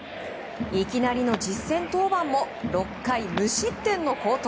いきなりの実戦登板を６階無失点の好投。